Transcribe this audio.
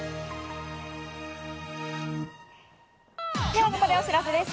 ではここでお知らせです。